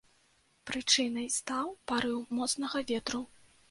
Прычынай стаў парыў моцнага ветру.